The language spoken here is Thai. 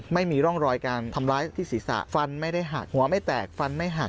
ไม่มีร่องรอยการทำร้ายที่ศีรษะฟันไม่ได้หักหัวไม่แตกฟันไม่หัก